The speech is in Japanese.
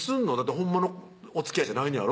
ほんまのお付き合いじゃないねやろ？